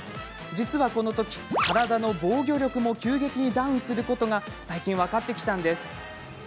実はこの時、体の防御力も急激にダウンすることが最近、分かってきたんです。